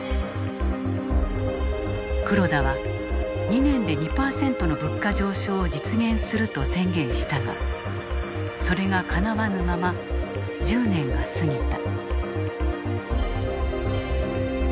黒田は、２年で２％の物価上昇を実現すると宣言したがそれがかなわぬまま１０年が過ぎた。